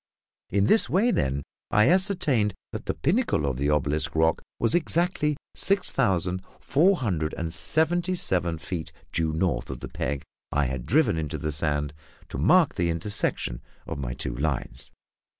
In this way, then, I ascertained that the pinnacle of the obelisk rock was exactly six thousand four hundred and seventy seven feet due north of the peg I had driven into the sand to mark the intersection of my two lines.